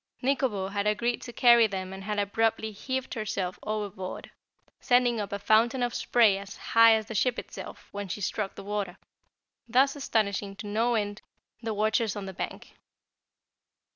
Nikobo had agreed to carry them and had abruptly heaved herself overboard, sending up a fountain of spray as high as the ship itself when she struck the water, thus astonishing no end the watchers on the bank.